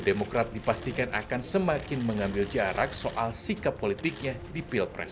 demokrat dipastikan akan semakin mengambil jarak soal sikap politiknya di pilpres